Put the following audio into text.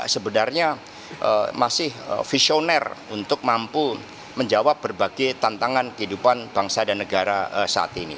sebenarnya masih visioner untuk mampu menjawab berbagai tantangan kehidupan bangsa dan negara saat ini